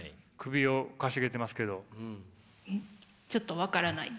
ちょっと分からないです。